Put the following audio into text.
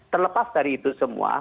terlepas dari itu semua